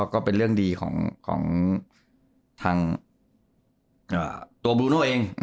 ก็เป็นเรื่องดีของทางตัวบลูโน่เอง